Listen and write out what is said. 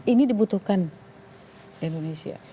ini dibutuhkan indonesia